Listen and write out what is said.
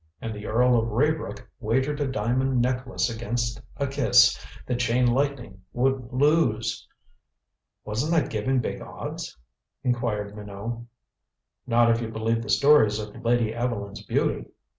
And the Earl of Raybrook wagered a diamond necklace against a kiss that Chain Lightning would lose." "Wasn't that giving big odds?" inquired Minot. "Not if you believe the stories of Lady Evelyn's beauty.